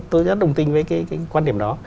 tôi rất đồng tin với quan điểm đó